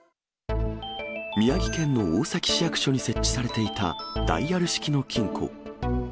宮城県の大崎市役所に設置されていたダイヤル式の金庫。